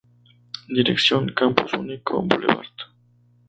Dirección: Campus Único: Blvd.